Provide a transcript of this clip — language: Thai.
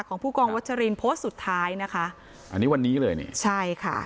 ของผู้กองวัชรินโพสต์สุดท้ายนะคะอันนี้วันนี้เลยนี่ใช่ค่ะ